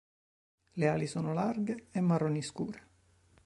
Le ali sono larghe e marroni scure.